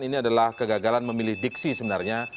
ini adalah kegagalan memilih diksi sebenarnya